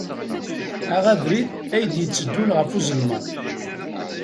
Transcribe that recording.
Aɣ abrid ay d-yetteddun ɣef uzelmaḍ.